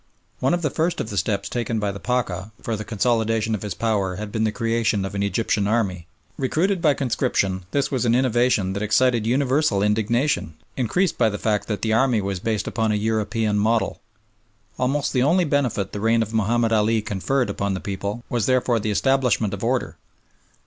One of the first of the steps taken by the Pacha for the consolidation of his power had been the creation of an Egyptian army. Recruited by conscription, this was an innovation that excited universal indignation, increased by the fact that the army was based upon a European model. Almost the only benefit the reign of Mahomed Ali conferred upon the people was therefore the establishment of order.